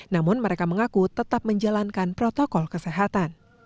namun mereka mengaku tetap menjalankan protokol kesehatan